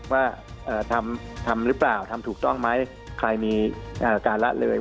ว่าทำหรือเปล่าทำถูกต้องไหมใครมีการละเลย